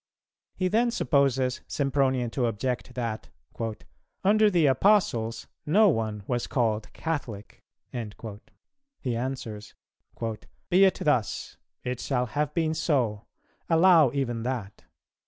He then supposes Sympronian to object that, "under the Apostles no one was called Catholic." He answers, "Be it thus;[259:3] it shall have been so; allow even that.